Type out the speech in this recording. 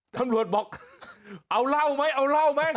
ตำรวจบอกเอาเหล้าไหมเอาเหล้าไหม